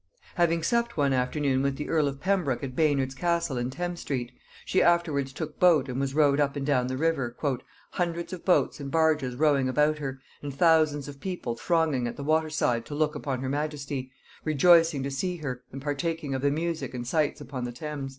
Having supped one afternoon with the earl of Pembroke at Baynard's castle in Thames street, she afterwards took boat and was rowed up and down the river, "hundreds of boats and barges rowing about her, and thousands of people thronging at the water side to look upon her majesty; rejoicing to see her, and partaking of the music and sights upon the Thames."